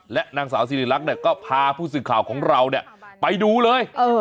และนางสาวสิริรักษ์ก็พาผู้สื่อข่าวของเราไปดูเลย